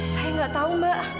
saya nggak tahu mbak